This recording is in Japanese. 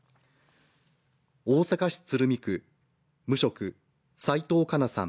大阪市鶴見区、無職・斎当華菜さん